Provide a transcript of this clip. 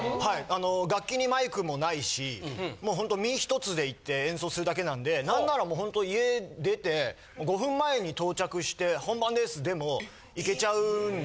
あの楽器にマイクもないしもうほんと身一つで行って演奏するだけなんでなんならもうほんと家出て５分前に到着して「本番です」でもいけちゃうんで。